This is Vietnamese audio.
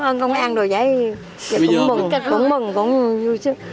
cảm ơn công an đồ giấy cũng mừng cũng vui sức